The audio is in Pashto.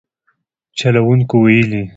چلوونکو ویلي